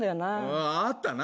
あああったな